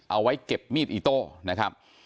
เอาไว้เก็บมีดอิโต้นะครับ